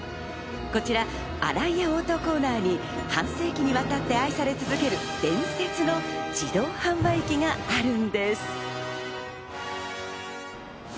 こちら、あらいやオートコーナーに半世紀にわたって愛され続ける伝説の自動販売機があるんです。